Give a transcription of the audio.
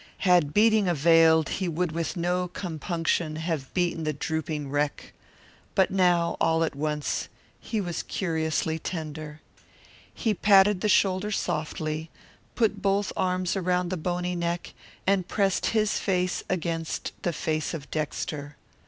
Had beating availed he would with no compunction have beaten the drooping wreck. But now, all at once, he was curiously tender. He patted the shoulder softly, put both arms around the bony neck, and pressed his face against the face of Dexter.